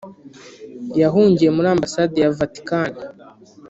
yahungiye muri Ambasade ya Vatican